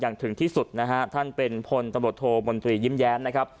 อย่างถึงที่สุดนะฮะท่านเป็นพทบทบยยนะครับ